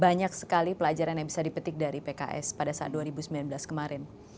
banyak sekali pelajaran yang bisa dipetik dari pks pada saat dua ribu sembilan belas kemarin